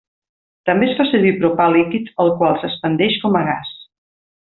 També es fa servir propà líquid el qual s'expandeix com a gas.